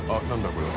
これは。